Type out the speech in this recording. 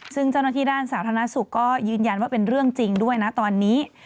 ซึ่งเจ้าหน้าที่ด้านสาธารณสุขก็ยืนยันว่าเป็นเรื่องจริงด้วยนะตอนนี้